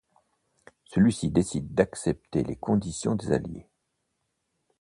Celui-ci décide d'accepter les conditions des Alliés.